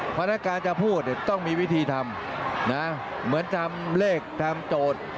เพราะฉะนั้นการจะพูดต้องมีวิธีทำนะเหมือนทำเลขทำโจทย์